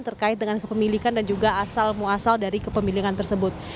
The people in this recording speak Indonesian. terkait dengan kepemilikan dan juga asal muasal dari kepemilikan tersebut